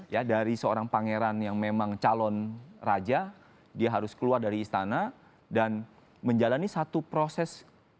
ya dari seorang pangeran yang memang calon raja dia harus keluar dari istana dan menjalani satu proses